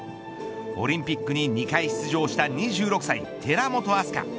オリンピックに２回出場した２６歳、寺本明日香。